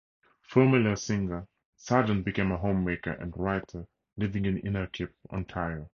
Formerly a singer, Sargent became a homemaker and writer living in Innerkip, Ontario.